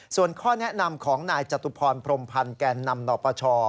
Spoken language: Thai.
ส่วนข้อแนะนำของนายจตุพรพรมพันธ์แก่นำหนปช